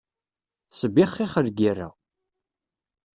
Tesbixxix lgerra.